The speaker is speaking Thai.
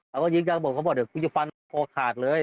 แล้วก็ยิงจากบนเขาบอกเดี๋ยวกูจะฟันพอขาดเลย